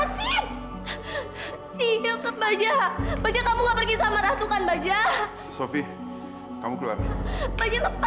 sampai jumpa di video selanjutnya